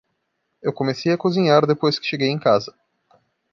Eu comecei a cozinhar depois que cheguei em casa.